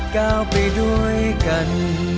ก้าวไปด้วยกัน